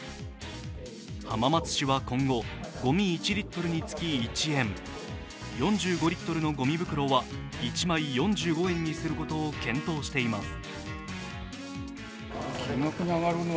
浜松市は今後、ごみ１リットルにつき１円、４５リットルのごみ袋は１枚４５円にすることを検討しています。